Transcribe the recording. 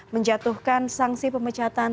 menjatuhkan sanksi pemecatan